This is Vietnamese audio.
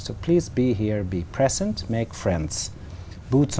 một cộng đồng nordic